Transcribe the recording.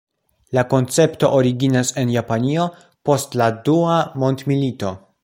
La koncepto originas en Japanio post la Dua Mondmilito.